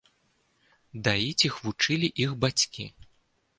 Даіць іх вучылі іх бацькі.